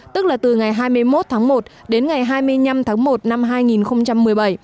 tức là từ ngày hai mươi một tháng một đến ngày hai mươi năm tháng một năm hai nghìn một mươi bảy